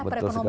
betul sekali ya